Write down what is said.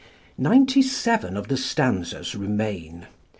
Ninety seven of the stanzas remain.